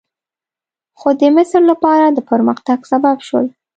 خو د مصر لپاره د پرمختګ سبب شول.